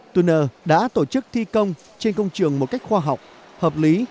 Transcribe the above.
tunner đã tổ chức thi công trên công trường một cách khoa học hợp lý